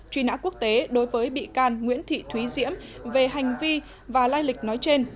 truy nã quốc tế đối với bị can nguyễn thị thúy diễm về hành vi và lai lịch nói trên